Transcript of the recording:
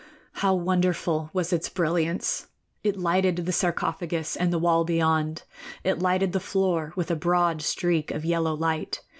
How wonderful was its brilliance! It lighted the sarcophagus and the wall beyond. It lighted the floor with a broad streak of yellow light.